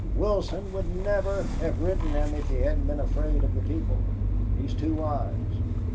Wilson would never have written them if he hadn't been afraid of the people. He's too wise."